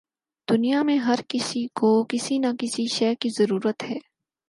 دنیا میں ہر کسی کو کسی نہ کسی شے کی ضرورت ہے